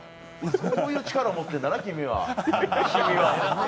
そういう力を持ってるんだなぁ君は。